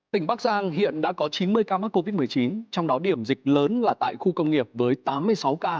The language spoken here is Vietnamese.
tỉnh bắc giang hiện đã có chín mươi ca mắc covid một mươi chín trong đó điểm dịch lớn là tại khu công nghiệp với tám mươi sáu ca